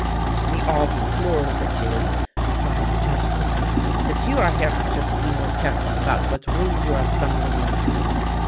"The obvious moral of which is," replied the Judge quickly, "that you are hereafter to be more careful about what rooms you are stumbling into."